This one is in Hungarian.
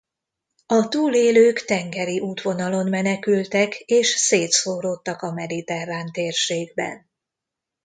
A túlélők tengeri útvonalon menekültek és szétszóródtak a mediterrán térségben.